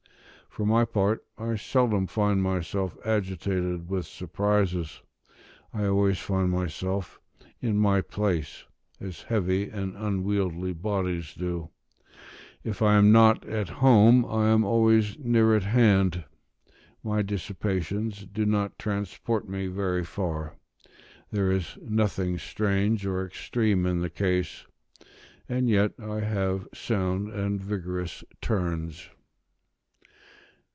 For my part, I seldom find myself agitated with surprises; I always find myself in my place, as heavy and unwieldy bodies do; if I am not at home, I am always near at hand; my dissipations do not transport me very far; there is nothing strange or extreme in the case; and yet I have sound and vigorous turns.